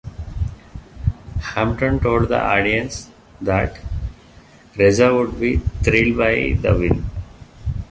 Hampton told the audience that Reza would be thrilled by the win.